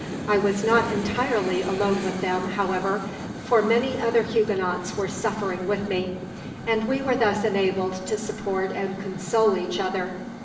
I was not entirely alone with them, however, for many other Huguenots were suffering with me, and we were thus enabled to support and console each other.